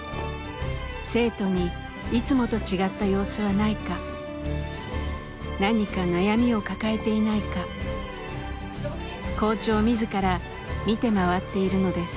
生徒にいつもと違った様子はないか何か悩みを抱えていないか校長自ら見て回っているのです。